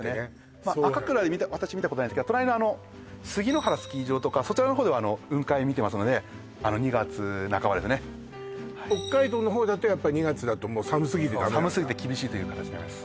まっ赤倉は私見たことないんですけど隣の杉ノ原スキー場とかそちらの方では雲海見てますのであの２月半ばですね北海道の方だとやっぱ２月だともう寒すぎてダメなんだ寒すぎて厳しいという形なんです